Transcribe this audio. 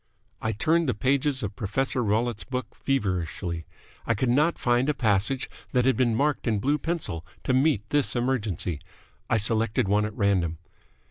I turned the pages of Professor Rollitt's book feverishly. I could not find a passage that had been marked in blue pencil to meet this emergency. I selected one at random.